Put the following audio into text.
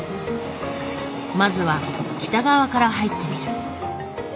まずは北側から入ってみる。